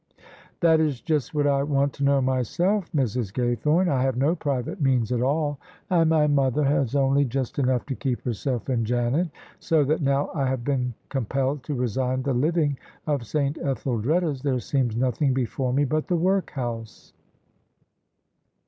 " That is just what I want to know myself, Mrs. Gay * thome. I have no private means at all, and my mother has OF ISABEL CARNABY only just enough to keep hcxself and Janet: so that now I have been compelled to resign the living of S. Ethddreda's there seems nothing before me but the workhouse."